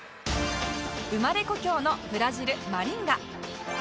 生まれ故郷のブラジルマリンガ